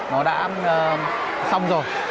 nó đã xong rồi